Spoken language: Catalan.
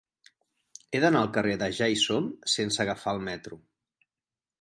He d'anar al carrer de Ja-hi-som sense agafar el metro.